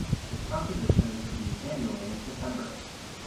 Its composition is reviewed annually in September.